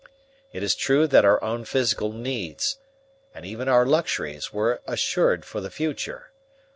It is true that our own physical needs, and even our luxuries, were assured for the future.